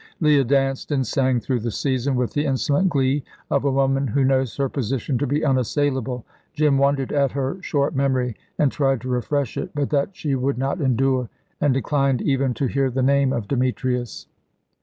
Leah danced and sang through the season with the insolent glee of a woman who knows her position to be unassailable. Jim wondered at her short memory, and tried to refresh it; but that she would not endure, and declined even to hear the name of Demetrius.